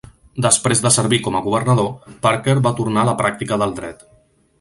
Després de servir com a governador, Parker va tornar a la pràctica del dret.